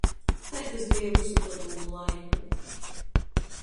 Tai tys beja vysu padūmu laiku.